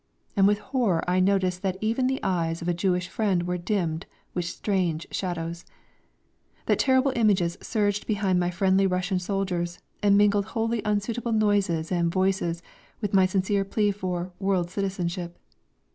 And with horror I noticed that even the eyes of a Jew friend were dimmed with strange shadows ... that terrible images surged behind my friendly Russian shoulders and mingled wholly unsuitable noises and voices with my sincere plea for "world citizenship."